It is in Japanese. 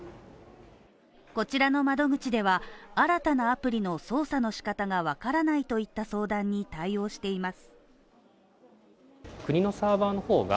こちらの窓口では新たなアプリの操作の仕方がわからないといった相談に対応しています。